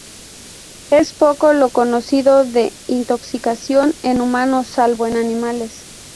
Es poco lo conocido de intoxicación en humanos, salvo en animales.